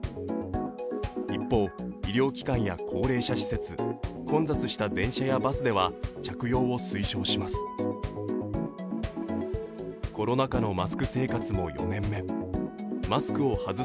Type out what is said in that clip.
一方、医療機関や高齢者施設、混雑した電車やバスでは着用を推奨します。